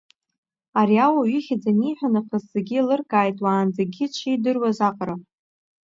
Ари ауаҩ ихьӡ аниҳәа нахыс зегьы еилыркааит уаанӡагьы дшидыруаз аҟара.